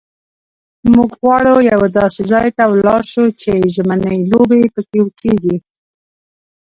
موږ غواړو یوه داسې ځای ته ولاړ شو چې ژمنۍ لوبې پکښې کېږي.